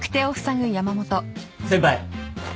先輩。